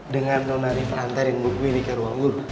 dengan nona rifah antarin buku ini ke ruang guru